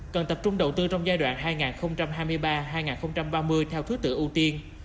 cần tập trung đầu tư trong giai đoạn hai nghìn hai mươi ba hai nghìn ba mươi theo thứ tự ưu tiên